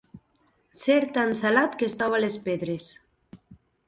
Ser tan salat que estova les pedres.